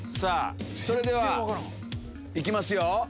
それでは行きますよ。